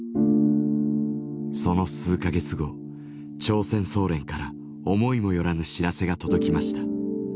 その数か月後朝鮮総連から思いもよらぬ知らせが届きました。